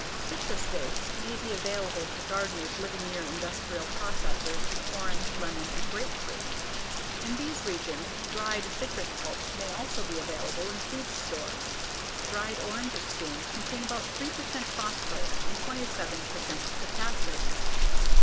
Citrus wastes may be available to gardeners living near industrial processors of orange, lemon, and grapefruit. In those regions, dried citrus pulp may also be available in feed stores. Dried orange skins contain about 3 percent phosphorus and 27 percent potassium.